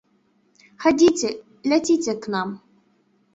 Хадзіце, ляціце к нам!